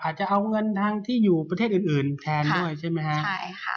อาจจะเอาเงินทางที่อยู่ประเทศอื่นแทนด้วยใช่ไหมฮะ